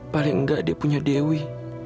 paling nggak dia punya dewi